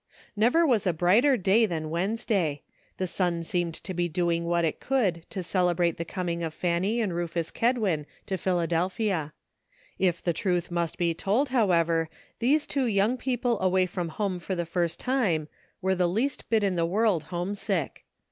Never was a brighter day than Wednesday ; the sun seemed to be doing what it could to celebrate the coming of Fanny and Rufus Ked win to Philadelphia. If the truth must be told, however, these two young people away from 274 ENTERTAINING COMPANY. home for the first time were the least bit in the world homesick.